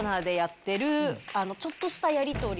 ちょっとしたやりとり。